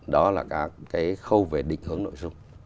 đó là các cái khâu về định hướng nội dung